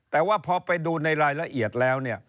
แต่ว่าพอไปดูในรายละเอียดแล้วเนี่ย